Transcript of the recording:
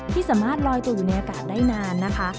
ที่สามารถลอยตัวอยู่ในอากาศได้นานนะคะ